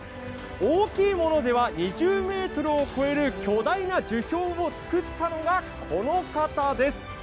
大きいものでは２０ｍを超える巨大な樹氷を作ったのがこの方です。